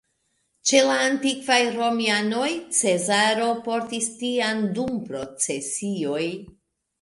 Ĉe la antikvaj romianoj Cezaro portis tian dum procesioj.